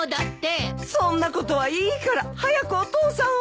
そんなことはいいから早くお父さんを！